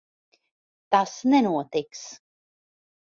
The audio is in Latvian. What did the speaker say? Tas nenotiks.